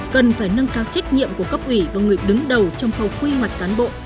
cần phải nâng cao trách nhiệm của cấp ủy và người đứng đầu trong khâu quy hoạch cán bộ